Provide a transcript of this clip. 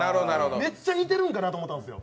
めっちゃに似るんかなと思ったんですよ